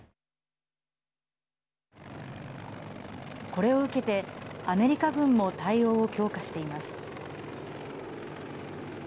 これを受けて、アメリカ軍も対応を強化しています。